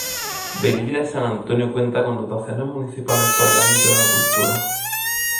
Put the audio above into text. Velilla de San Antonio cuenta con dotaciones municipales para el ámbito de la cultura.